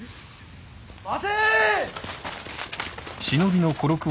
・待て！